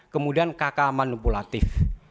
kemudian kk manipulatif